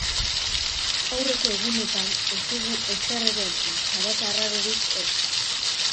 Aurreko egunetan ez dugu ezer ere entzun, zarata arrarorik ez.